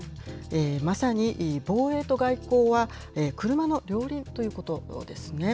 まさに防衛と外交は、車の両輪ということですね。